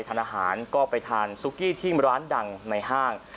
ทานอาหารก็ไปทานซุกี้ที่ร้านดังในห้าง